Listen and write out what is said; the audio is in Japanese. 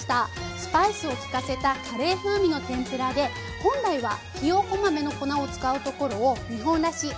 スパイスを効かせたカレー風味の天ぷらで本来はひよこ豆の粉を使うところを日本らしいあるもので代用します。